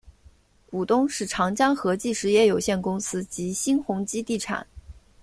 股东是长江和记实业有限公司及新鸿基地产。